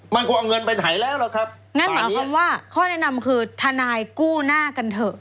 มันคงเอาเงินไปไหนแล้วล่ะครับงั้นหมายความว่าข้อแนะนำคือทนายกู้หน้ากันเถอะ